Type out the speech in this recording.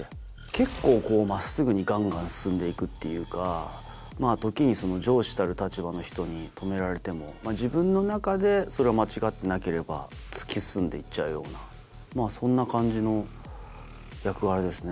結構真っすぐにガンガン進んで行くっていうか時に上司たる立場の人に止められても自分の中でそれが間違ってなければ突き進んで行っちゃうようなそんな感じの役柄ですね。